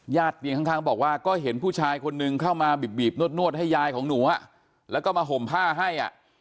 เตียงข้างบอกว่าก็เห็นผู้ชายคนนึงเข้ามาบีบนวดให้ยายของหนูแล้วก็มาห่มผ้าให้อ่ะ